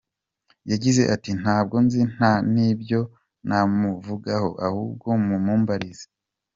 Yagize ati ”Ntabwo nzi nta n’ibyo namuvugaho, ahubwo mumumbarize.